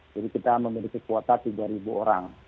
kita memiliki kuota tiga orang